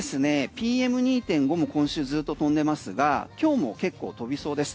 ＰＭ２．５も今週ずっと飛んでますが今日も結構飛びそうです。